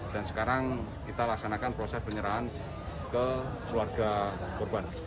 dan sekarang kita laksanakan proses penyerahan ke keluarga korban